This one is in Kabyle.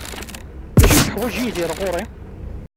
D acu i yeḥwaǧ Yidir ɣur-i?